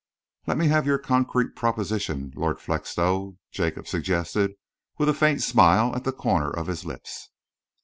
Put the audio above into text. "Let me have your concrete proposition, Lord Felixstowe," Jacob suggested, with a faint smile at the corner of his lips.